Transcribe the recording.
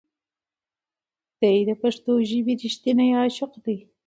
دی د پښتو ژبې رښتینی عاشق دی.